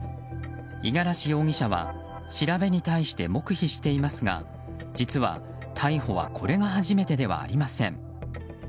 五十嵐容疑者は調べに対して黙秘していますが実は逮捕はこれが初めてではありません。